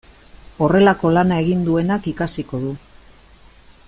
Horrelako lana egin duenak ikasiko du.